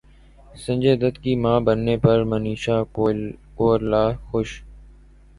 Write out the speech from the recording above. سنجے دت کی ماں بننے پرمنیشا کوئرالا خوش